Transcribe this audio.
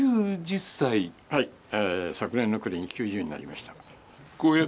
昨年の暮れに９０になりまし私